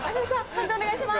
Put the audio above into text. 判定お願いします。